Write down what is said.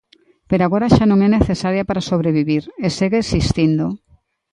Pero agora xa non é necesaria para sobrevivir, e segue existindo.